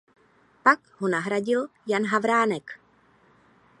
Pak ho nahradil Jan Havránek.